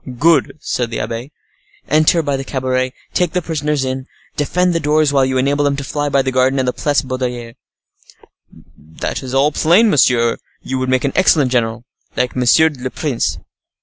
"Good!" said the abbe. "Enter by the cabaret, take the prisoners in; defend the door while you enable them to fly by the garden and the Place Baudoyer." "That is all plain. Monsieur, you would make an excellent general, like monsieur le prince."